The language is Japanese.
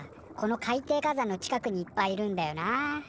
この海底火山の近くにいっぱいいるんだよな。